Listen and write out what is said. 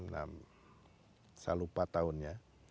saya lupa tahunnya